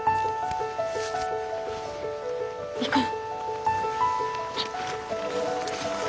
行こう。